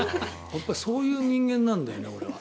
そういう人間なんだよね、俺は。